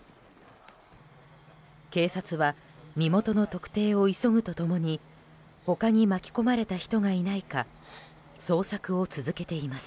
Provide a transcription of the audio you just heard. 警察は身元の特定を急ぐと共に他に巻き込まれた人がいないか捜索を続けています。